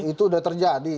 hah itu sudah terjadi